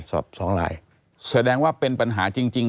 แสดงว่าเป็นปัญหาจริง